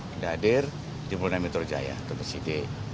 tidak hadir di pulau nami turjaya dr sidik